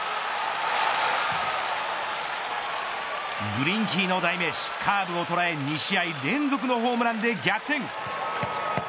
グリンキーの代名詞カーブを捉え２試合連続のホームランで逆転。